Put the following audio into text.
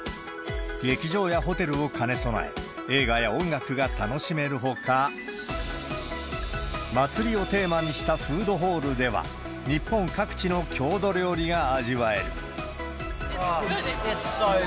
劇場やホテルを兼ね備え、映画や音楽が楽しめるほか、祭りをテーマにしたフードホールでは、日本各地の郷土料理が味わえる。